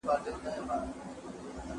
رحمان بابا وايي نه یې زور سته نه یې توان.